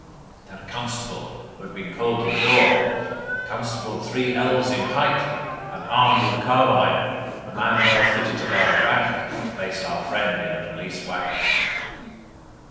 Then a constable who had been called to the door a constable three ells in height, and armed with a carbine a man well fitted to guard a bank placed our friend in a police waggon.